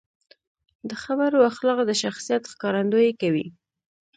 د خبرو اخلاق د شخصیت ښکارندويي کوي.